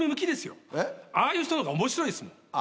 ああいう人のほうが面白いですもん。